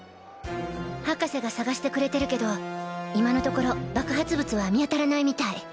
博士が探してくれてるけど今のところ爆発物は見当たらないみたい。